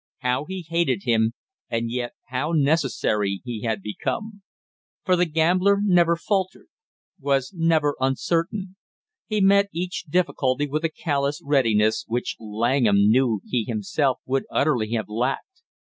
How he hated him, and yet how necessary he had become; for the gambler never faltered, was never uncertain; he met each difficulty with a callous readiness which Langham knew he himself would utterly have lacked.